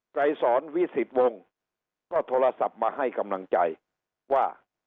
ไกรสอนวิสิตวงศ์ก็โทรศัพท์มาให้กำลังใจว่า